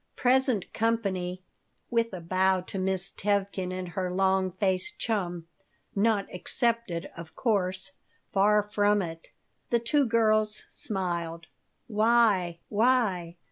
Present company" with a bow to Miss Tevkin and her long faced chum "not excepted, of course. Far from it." The two girls smiled "Why! Why!